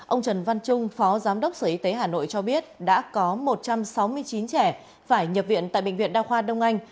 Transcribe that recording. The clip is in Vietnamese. ông trần văn trung phó giám đốc sở y tế hà nội cho biết đã có một trăm sáu mươi chín trẻ phải nhập viện tại bệnh viện đa khoa đông anh